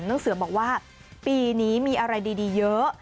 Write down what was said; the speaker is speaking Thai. น้องเสือบอกว่าปีนี้มีอะไรดีเยอะ